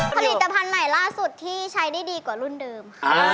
ผลิตภัณฑ์ใหม่ล่าสุดที่ใช้ได้ดีกว่ารุ่นเดิม